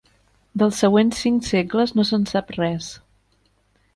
Dels següents cinc segles no se'n sap res.